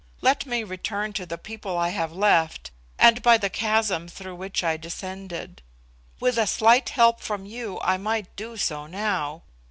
Let me return to the people I have left, and by the chasm through which I descended. With a slight help from you I might do so now.